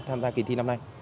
tham gia kỳ thi năm nay